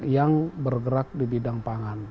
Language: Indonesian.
yang bergerak di bidang pangan